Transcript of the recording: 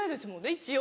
一応。